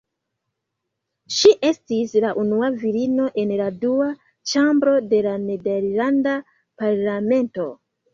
Ŝi estis la unua virino en la Dua Ĉambro de la nederlanda parlamento.